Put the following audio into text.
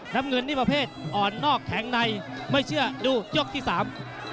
น้ำเงินนี่ประเภทอ่อนนอกแข็งในไม่เชื่อดูยกที่สาม